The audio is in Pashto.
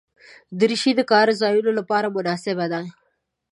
دریشي د کار ځایونو لپاره مناسبه ده.